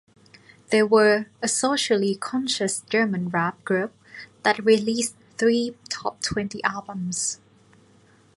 They were a socially conscious German rap group that released three top twenty albums.